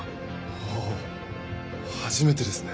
はあ初めてですね